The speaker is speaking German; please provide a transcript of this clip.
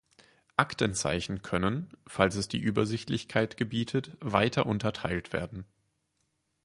Aktenzeichen können, falls es die Übersichtlichkeit gebietet, weiter unterteilt werden.